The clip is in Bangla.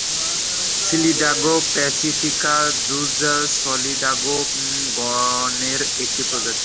সলিডাগো প্যাসিফিকা জুজ সলিডাগো গণের একটি প্রজাতি।